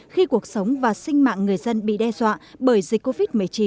khi cuộc sống và sinh mạng người dân bị đe dọa bởi dịch covid một mươi chín